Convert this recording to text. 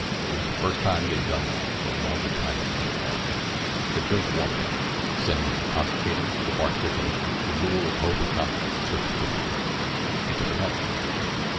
It was the first time he had done that for a longer time than he could recall. The drink warmed him, sending an intoxicating, if artificial, renewal of hope and confidence surging through him. He took another.